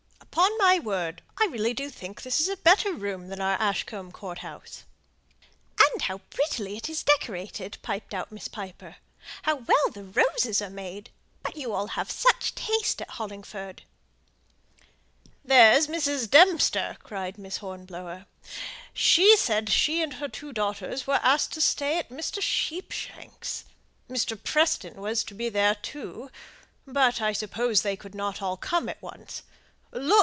"Upon my word, I really do think this is a better room than our Ashcombe Court house!" "And how prettily it is decorated!" piped out Miss Piper. "How well the roses are made! But you all have such taste at Hollingford." "There's Mrs. Dempster," cried Miss Hornblower; "she said she and her two daughters were asked to stay at Mr. Sheepshanks'. Mr. Preston was to be there, too; but I suppose they could not all come at once. Look!